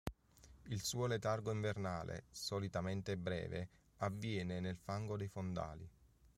Il suo letargo invernale, solitamente breve, avviene nel fango dei fondali.